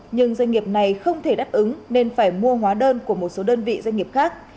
nhưng doanh nghiệp này không thể đáp ứng nên phải mua hóa đơn của một số đơn vị doanh nghiệp khác